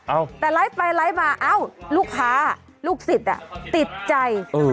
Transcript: เอ้าแต่ไลฟ์ไปไลฟ์มาเอ้าลูกค้าลูกศิษย์ติดใจ